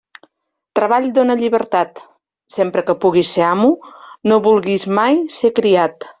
Treball dóna llibertat; sempre que puguis ser amo, no vulguis mai ser criat.